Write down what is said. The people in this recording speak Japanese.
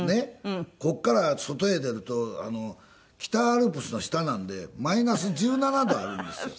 ここから外へ出ると北アルプスの下なんでマイナス１７度あるんですよ。